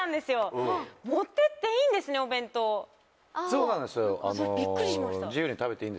そうなんですよ。